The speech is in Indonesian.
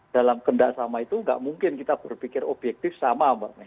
dalam kendak sama itu nggak mungkin kita berpikir objektif sama mbak